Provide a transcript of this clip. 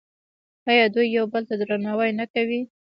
آیا دوی یو بل ته درناوی نه کوي؟